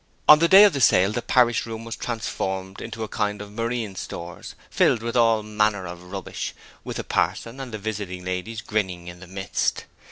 On the day of the sale the parish room was transformed into a kind of Marine Stores, filled with all manner of rubbish, with the parson and the visiting ladies grinning in the midst.